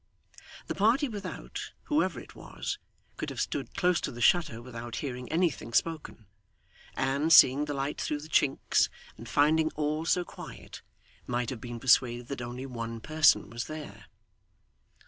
The party without, whoever it was, could have stood close to the shutter without hearing anything spoken; and, seeing the light through the chinks and finding all so quiet, might have been persuaded that only one person was there.